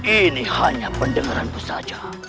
ini hanya pendengaranku saja